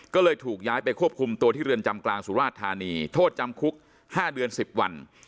ก็เลยถูกย้ายไปควบคุมตัวที่เรือนจำกลางสุราชธานีโทษจำคุก๕เดือน๑๐วัน